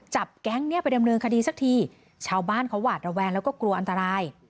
จับแก๊งนี้ไปดำเนินคดีสักทีชาวบ้านเขาหวาดระแวงแล้วก็กลัวอันตราย